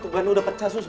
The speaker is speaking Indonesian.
tuguan udah pecah suster